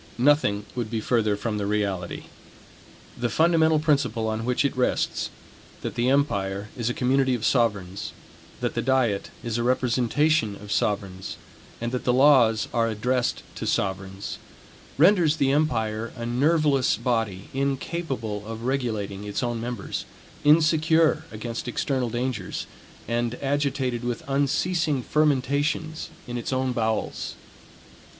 Nothing would be further from the reality. The fundamental principle on which it rests, that the empire is a community of sovereigns, that the diet is a representation of sovereigns and that the laws are addressed to sovereigns, renders the empire a nerveless body, incapable of regulating its own members, insecure against external dangers, and agitated with unceasing fermentations in its own bowels.